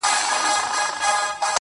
هله قربان دې سمه هله صدقه دې سمه,